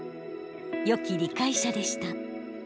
よき理解者でした。